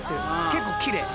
結構きれい。